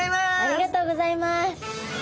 ありがとうございます！